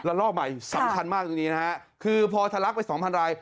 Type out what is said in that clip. แล้วรอบใหม่สำคัญมากกว่านี้นะฮะคือพอทะลักไป๒๐๐๐ราย